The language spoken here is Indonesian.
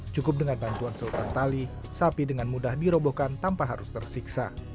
cukup dengan bantuan seutas tali sapi dengan mudah dirobohkan tanpa harus tersiksa